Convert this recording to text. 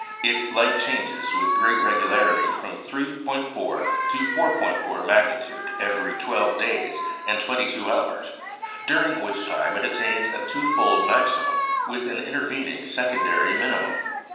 Its light changes with great regularity from 3·4 to 4·4 magnitude every twelve days and twenty two hours, during which time it attains a twofold maximum, with an intervening secondary minimum.